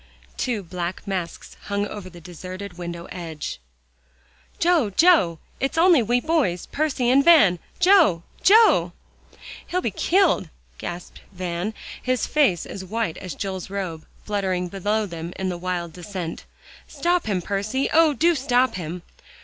Two black masks hung over the deserted window edge. "Joe Joe! it's only we boys Percy and Van. Joe Joe!" "He'll be killed!" gasped Van, his face as white as Joel's robe fluttering below them in his wild descent. "Stop him, Percy. Oh! do stop him."